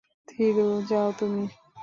থিরু, যাও তুমি।